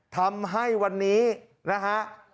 ทำให้วันนี้นะฮะ